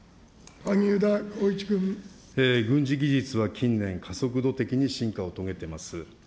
軍事技術は近年、加速度的に進化を遂げてます。